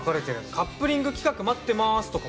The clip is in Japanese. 「カップリング企画待ってます」とか毎回必ず。